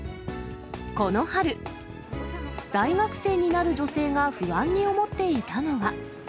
この春、大学生になる女性が不安に思っていたのは。